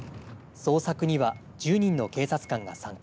捜索には１０人の警察官が参加。